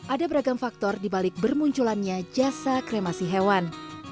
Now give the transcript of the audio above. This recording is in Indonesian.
ada beragam faktor dibalik bermunculannya jasa kremasi hewan